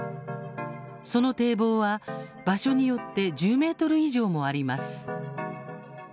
その堤防は、場所によって１０ｍ以上もあります。